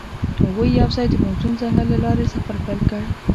هغوی یوځای د موزون ځنګل له لارې سفر پیل کړ.